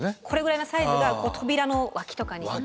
これぐらいのサイズが扉の脇とかに。